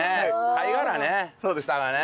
貝殻ね下がね。